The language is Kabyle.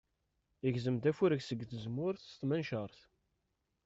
Igzem-d afurek seg tzemmurt s tmenčart.